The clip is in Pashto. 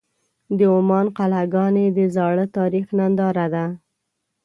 د عمان قلعهګانې د زاړه تاریخ ننداره ده.